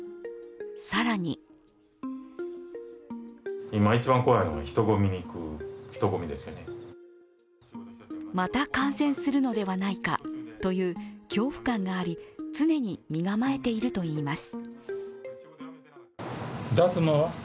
更にまた感染するのではないかという恐怖感があり常に身構えているといいます。